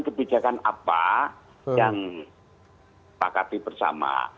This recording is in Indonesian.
kebijakan apa yang pakati bersama